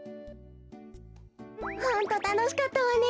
ホントたのしかったわね。